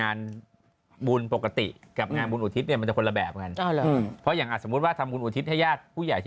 ไม่จะเป็นแบบต้นไป